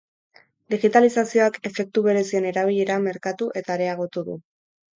Digitalizazioak efektu berezien erabilera merkatu eta areagotu du.